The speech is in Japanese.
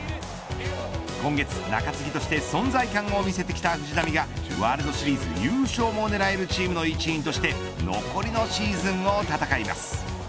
今月中継ぎとして存在感を見せてきた藤浪がワールドシリーズ優勝も狙えるチームの一員として残りのシーズンを戦います。